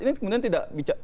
ini kemudian tidak bisa